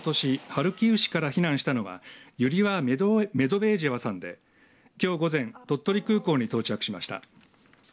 ハルキウ市から避難したのはユリア・メドベージェワさんできょう午前鳥取空港に到着しました。